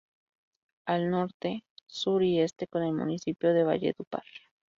Al Norte, Sur y Este con el Municipio de Valledupar.